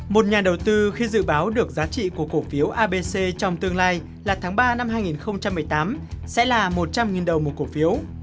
một nhà đầu tư khi dự báo được giá trị của cổ phiếu abc trong tương lai là tháng ba năm hai nghìn một mươi tám sẽ là một trăm linh đồng một cổ phiếu